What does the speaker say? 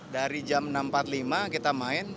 dari jam enam empat puluh lima kita main